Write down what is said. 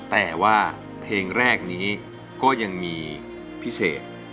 แต่ว่าเพลงแรกนี้ก็ยังมีพิเศษ